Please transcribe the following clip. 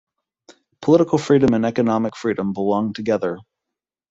Political freedom and economic freedom belong together.